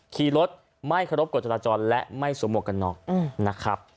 ขี่รถไม่เคารพกฎจราจรและไม่สวมหวกกันน็อกนะครับ